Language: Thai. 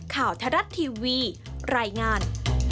ข่าวทรัฐทีวีรายงาน